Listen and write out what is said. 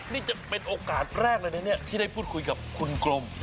นี่จะเป็นโอกาสแรกเลยนะเนี่ยที่ได้พูดคุยกับคุณกรม